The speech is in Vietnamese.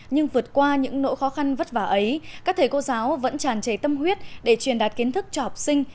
nhưng vượt qua những nỗi khó khăn vất vả ấy các thầy cô giáo vẫn tràn trề tâm huyết để truyền đạt kiến thức cho học sinh